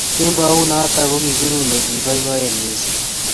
Kembout noto ko kikiruye keboiboen mising